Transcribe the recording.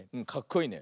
いいね。